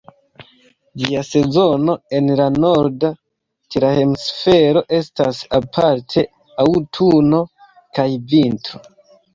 Ĝia sezono en la norda tera hemisfero estas aparte aŭtuno kaj vintro.